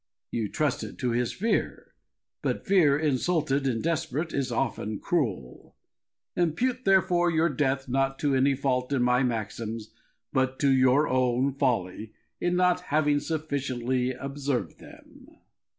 You trusted to his fear, but fear, insulted and desperate, is often cruel. Impute therefore your death not to any fault in my maxims, but to your own folly in not having sufficiently observed them.